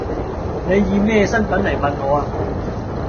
你以咩身份嚟問我呀？